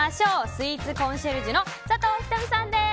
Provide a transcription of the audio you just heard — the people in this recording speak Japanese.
スイーツコンシェルジュの佐藤ひと美さんです。